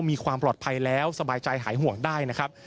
มีความปลอดภัยแล้วสบายใจหายห่วงได้นะครับ